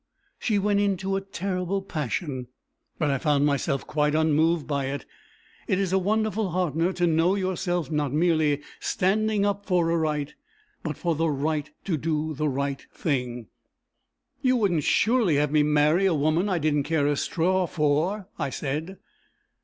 She went into a terrible passion, but I found myself quite unmoved by it: it is a wonderful heartener to know yourself not merely standing up for a right, but for the right to do the right thing! 'You wouldn't surely have me marry a woman I didn't care a straw for!' I said.